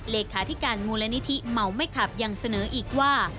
เลขาธิการมูลนิธิเมาไม่ขับยังเสนออีกว่า